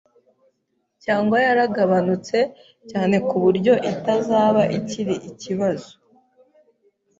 cyangwa yaragabanutse cyane ku buryo itazaba ikiri ikibazo